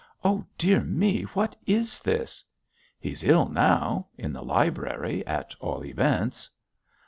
Oh, dear me, what is this?' 'He's ill now, in the library, at all events.'